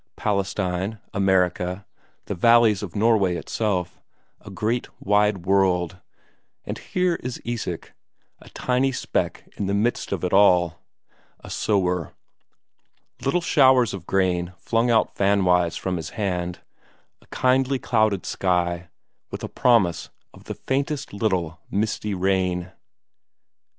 Palestine, America, the valleys of Norway itself a great wide world, and here is Isak, a tiny speck in the midst of it all, a sower. Little showers of corn flung out fanwise from his hand; a kindly clouded sky, with a promise of the faintest little misty rain.